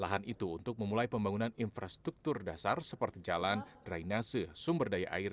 lahan itu untuk memulai pembangunan infrastruktur dasar seperti jalan drainase sumber daya air